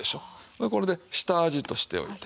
でこれで下味としておいて。